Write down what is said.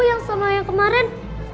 yang sama yang kemarin